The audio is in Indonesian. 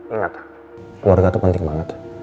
ingat keluarga itu penting banget